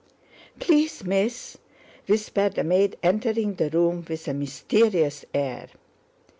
"Please, Miss!" whispered a maid entering the room with a mysterious air.